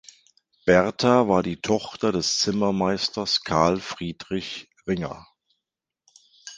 Bertha war die Tochter des Zimmermeisters Karl Friedrich Ringer.